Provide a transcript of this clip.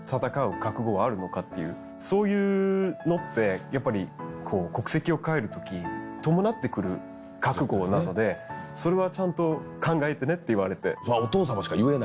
そういうのってやっぱりこう国籍を変える時伴ってくる覚悟なのでそれはちゃんと考えてねって言われて。